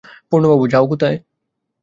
পূর্ণবাবু, যাও কোথায়!